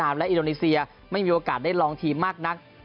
ก็จะมีการลงรายละเอียดที่สุดในการเล่นเกมวันนี้ครับ